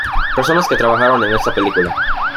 Personas que trabajaron en esta película.